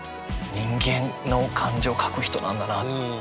人間の感情を書く人なんだなあっていう。